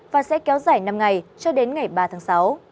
và sẽ kéo dài năm ngày cho đến ngày ba tháng sáu